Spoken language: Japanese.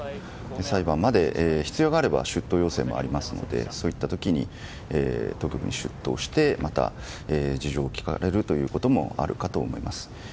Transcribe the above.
裁判まで、必要があれば出頭要請もありますのでそういった時に出頭して事情を聴かれることもあるかと思います。